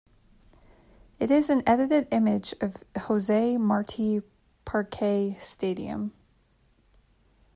It is an edited image of Jose Marti Parque Stadium.